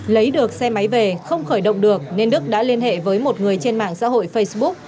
lấy được xe máy về không khởi động được nên đức đã liên hệ với một người trên mạng xã hội facebook